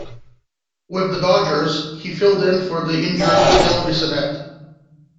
With the Dodgers, he filled in for the injured Del Bissonette.